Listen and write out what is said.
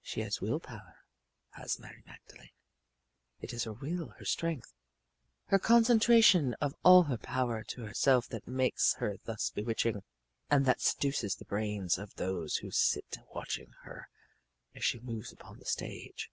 She has will power, has Mary Magdalene. It is her will, her strength, her concentration of all her power to herself that makes her thus bewitching and that seduces the brains of those who sit watching her as she moves upon the stage.